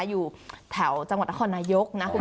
อยู่ด้านแข่จังหวัดอโคธรนโยค